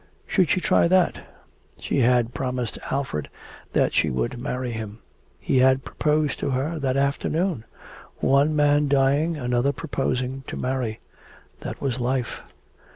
Should she try that? She had promised Alfred that she would marry him. He had proposed to her that afternoon. One man dying, another proposing to marry. That was life.